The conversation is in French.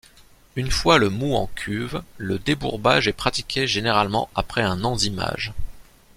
Une fois le moût en cuve, le débourbage est pratiqué généralement après un enzymage.